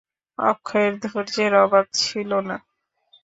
অক্ষয়ের ধৈর্যের অভাব ছিল না।